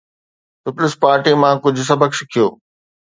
Peoples پارٽيءَ مان ڪجهه سبق سکيو.